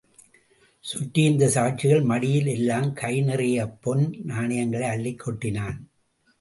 சுற்றியிருந்த சாட்சிகள் மடியில் எல்லாம் கை நிறையப் பொன் நாணயங்களை அள்ளிக் கொட்டினான்.